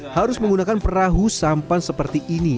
harus menggunakan perahu sampan seperti ini